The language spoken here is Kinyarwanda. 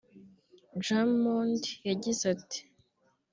Drummond yagize ati